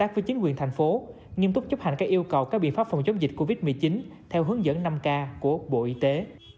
với chính quyền thành phố nghiêm túc chấp hành các yêu cầu các biện pháp phòng chống dịch covid một mươi chín theo hướng dẫn năm k của bộ y tế